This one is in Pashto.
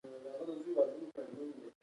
سکاره تودوخه ورکوي